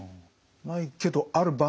ないけどある場合もある？